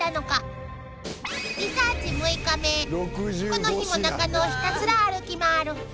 ［この日も中野をひたすら歩き回る］